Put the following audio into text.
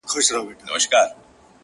خو اوس د اوښكو سپين ځنځير پر مخ گنډلی،